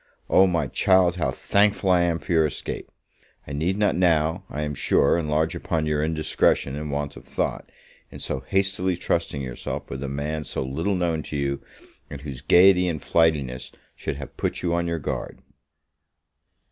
O, my child, how thankful am I for your escape! I need not now, I am sure, enlarge upon your indiscretion and want of thought, in so hastily trusting yourself with a man so little known to you, and whose gaiety and flightiness should have put you on your guard.